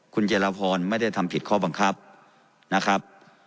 คุณเจรพรไม่ได้ทำผิดข้อบังคับนะครับ